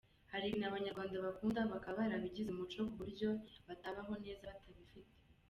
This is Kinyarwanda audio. Hari ibintu Abanyarwanda bakunda, bakaba barabigize umuco ku buryo batabaho neza batabifite.